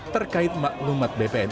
terkait maklumat bpn